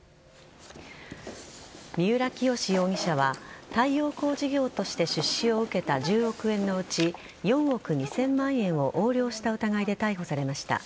三浦清志容疑者は太陽光事業として出資を受けた１０億円のうち４億２０００万円を横領した疑いで逮捕されました。